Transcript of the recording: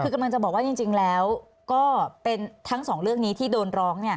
คือกำลังจะบอกว่าจริงแล้วก็เป็นทั้งสองเรื่องนี้ที่โดนร้อง